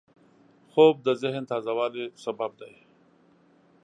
خوب د ذهن تازه والي سبب دی